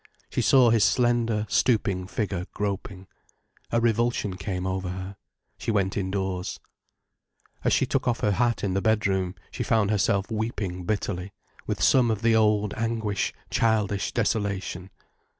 She saw his slender, stooping figure groping. A revulsion came over her. She went indoors. As she took off her hat in the bedroom, she found herself weeping bitterly, with some of the old, anguished, childish desolation.